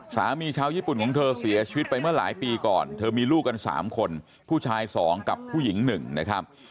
ชาวญี่ปุ่นของเธอเสียชีวิตไปเมื่อหลายปีก่อนเธอมีลูกกัน๓คนผู้ชาย๒กับผู้หญิง๑นะครับ